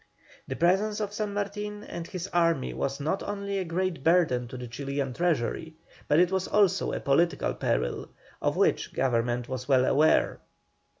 The presence of San Martin and his army was not only a great burden to the Chilian treasury, but it was also a political peril, of which Government was well aware.